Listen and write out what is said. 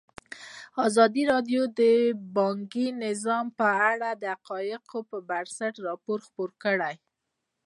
ازادي راډیو د بانکي نظام په اړه د حقایقو پر بنسټ راپور خپور کړی.